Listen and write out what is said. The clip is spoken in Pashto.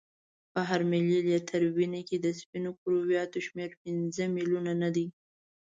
په هر ملي لیتر وینه کې د سپینو کرویاتو شمیر پنځه میلیونه نه دی.